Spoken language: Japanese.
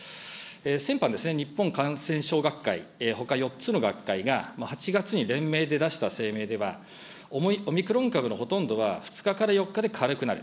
先般、日本感染症学会、ほか４つの学会が、８月に連名で出した声明では、オミクロン株のほとんどは、２日から４日で軽くなる。